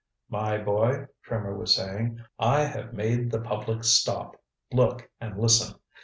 "My boy," Trimmer was saying, "I have made the public stop, look and listen.